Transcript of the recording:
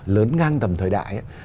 lớn ngang tầm thời đại